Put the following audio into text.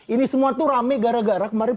ini semua tuh rame gara gara kemarin